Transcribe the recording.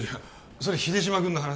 それ秀島君の話？